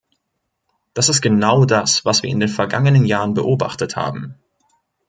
Das ist genau das, was wir in den vergangenen Jahren beobachtet haben.